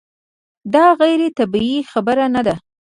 دا غیر طبیعي خبره نه ده.